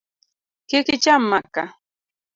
Kik icham maka.